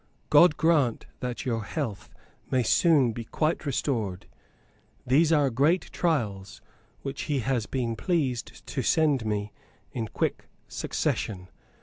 God grant that your health may soon be quite restored. These are great trials, which he has been pleased to send me in quick succession.